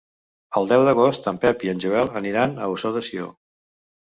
El deu d'agost en Pep i en Joel aniran a Ossó de Sió.